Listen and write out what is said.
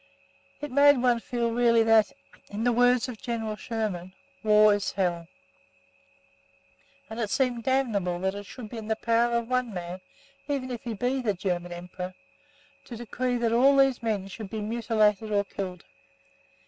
It made one feel really that, in the words of General Sherman, "War is hell," and it seemed damnable that it should be in the power of one man, even if be he the German Emperor, to decree that all these men should be mutilated or killed.